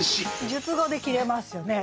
述語で切れますよね。